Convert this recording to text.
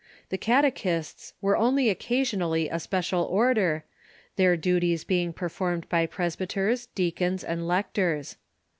The catechists were only occasionally a special order, their duties being performed by presbyters, deacons, and lectors.